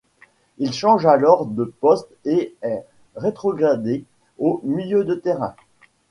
Il change alors de poste et est rétrogradé au milieu de terrain.